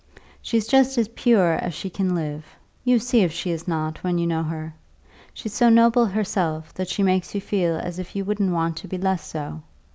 She's just as pure as she can live; you see if she is not, when you know her. She's so noble herself that she makes you feel as if you wouldn't want to be less so.